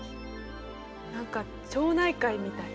何か町内会みたい。